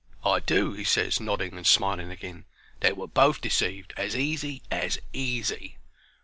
"I do," he ses, nodding, and smiling agin. "They were both deceived as easy as easy."